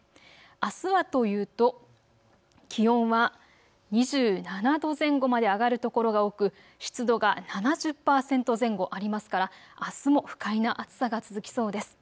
あすはというと気温は２７度前後まで上がる所が多く湿度が７０％前後ありますからあすも不快な暑さが続きそうです。